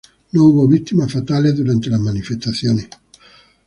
No hubo víctimas fatales durante las manifestaciones.